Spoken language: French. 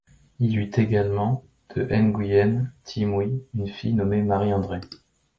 Il eut également, de N'Guyen Thi Mui, une fille nommée Marie-Andrée.